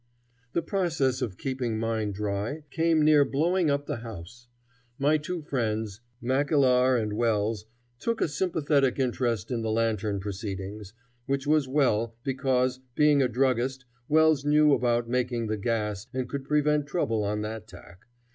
The process of keeping mine dry came near blowing up the house. My two friends, Mackellar and Wells, took a sympathetic interest in the lantern proceedings, which was well, because, being a druggist, Wells knew about making the gas and could prevent trouble on that tack.